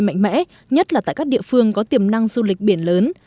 đất nền đang được triển khai mạnh mẽ nhất là tại các địa phương có tiềm năng du lịch biển lớn